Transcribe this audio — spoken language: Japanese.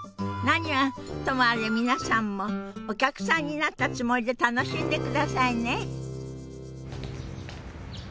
何はともあれ皆さんもお客さんになったつもりで楽しんでくださいね。